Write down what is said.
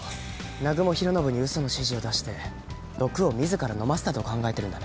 南雲弘伸に嘘の指示を出して毒を自ら飲ませたと考えているんだね。